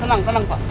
tenang tenang pak